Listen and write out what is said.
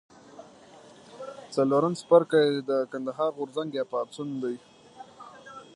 څلورم څپرکی د کندهار غورځنګ یا پاڅون دی.